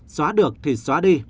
xóa được thì xóa đi